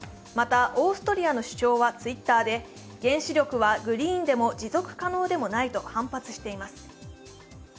またオーストリアの首相はＴｗｉｔｔｅｒで、原子力はグリーンでも持続可能でもないと反発しています。